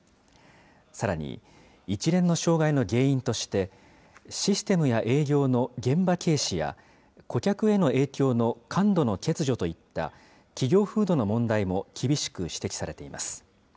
さらに、一連の障害の原因として、システムや営業の現場軽視や、顧客への影響の感度の欠如といった、企業風土の問題も厳しく指摘されています。